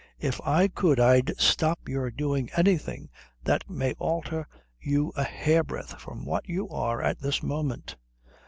If I could I'd stop your doing anything that may alter you a hairbreadth from what you are at this moment."